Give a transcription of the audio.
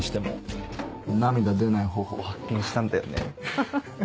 ハハハ。